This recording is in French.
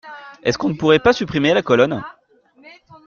Est-ce qu’on ne pourrait pas supprimer la colonne ?